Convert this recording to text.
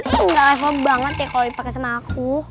ih gak level banget ya kalo dipake sama aku